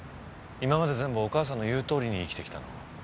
今まで全部お母さんの言うとおりに生きてきたの？